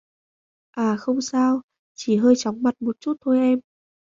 à không sao, chỉ hơi chóng mặt một chút thôi em